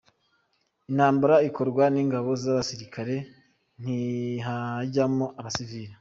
Intambara ikorwa n’ingabo z’abasirikare, ntihajyamo abasivili.